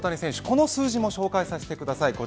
この数字も紹介させてください。